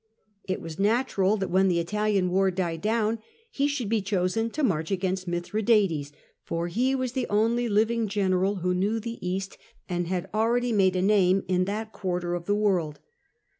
It was natural that when the Italian war died down he should be chosen to march against Mithradates, for he was the only living general who knew the East, and had already made a name in that SULLA MAECHES ON ROME 123 quarter o£ the world.